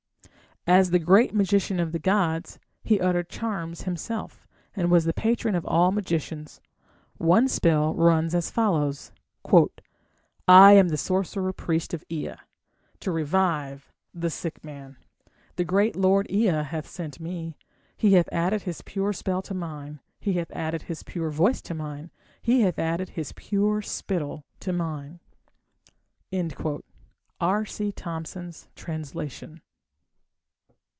As the "great magician of the gods" he uttered charms himself, and was the patron of all magicians. One spell runs as follows: I am the sorcerer priest of Ea... To revive the ... sick man The great lord Ea hath sent me; He hath added his pure spell to mine, He hath added his pure voice to mine, He hath added his pure spittle to mine. _R.C. Thompson's Translation.